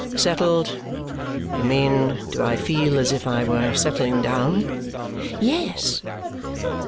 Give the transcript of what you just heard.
Settled? You mean, do I feel as if I were settling down?" "Yes."